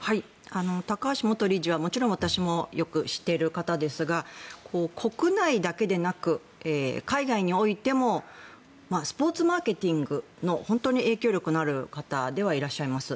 高橋元理事はもちろん私もよく知っている方ですが国内だけでなく海外においてもスポーツマーケティングの本当に影響力のある方ではいらっしゃいます。